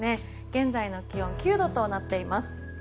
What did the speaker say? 現在の気温は９度となっています。